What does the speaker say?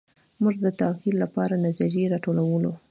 موږ د تغیر لپاره نظریې راټولوو.